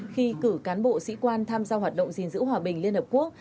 khi cử cán bộ sĩ quan tham gia hoạt động gìn giữ hòa bình liên hợp quốc